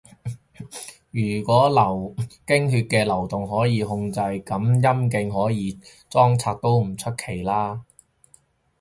如果經血嘅流動可以控制，噉陰莖可以裝拆都唔出奇吖